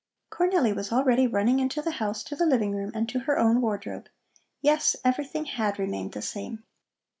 Cornelli was already running into the house to the living room and to her own wardrobe. Yes, everything had remained the same.